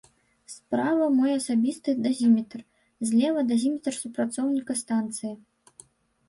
Справа мой асабісты дазіметр, злева дазіметр супрацоўніка станцыі.